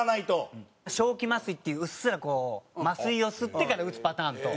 笑気麻酔っていううっすらこう麻酔を吸ってから打つパターンと。